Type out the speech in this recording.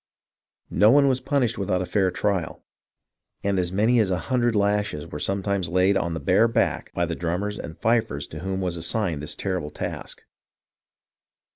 No one was punished without a fair trial, and as many as a hundred lashes were sometimes laid on the bare back by the drummers and fifers to whom was assigned this terrible task.